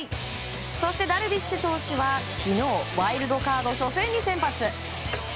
そしてダルビッシュ投手はワイルドカード初戦に先発。